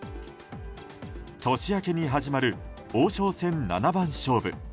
年明けに始まる王将戦七番勝負。